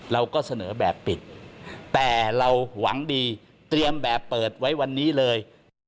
เราก็เสนอแบบปิดแต่เราหวังดีเตรียมแบบเปิดไว้วันนี้เลย